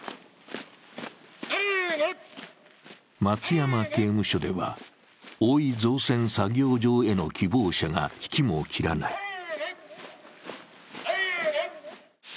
松山刑務所では大井造船作業場への希望者が引きも切らない。